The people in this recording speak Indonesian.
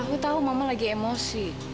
aku tahu mama lagi emosi